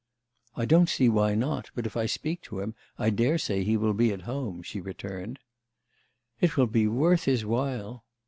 "I don't see why not, but if I speak to him I daresay he will be at home," she returned. "It will be worth his while!"